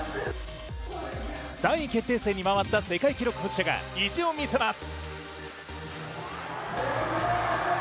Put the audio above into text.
３位決定戦に回った世界記録保持者が意地を見せます。